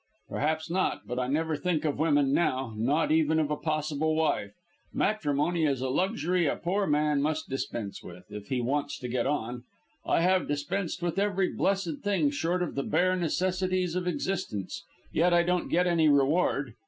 "Perhaps not; but I never think of women now not even of a possible wife. Matrimony is a luxury a poor man must dispense with, if he wants to get on. I have dispensed with every blessed thing short of the bare necessities of existence, yet I don't get any reward.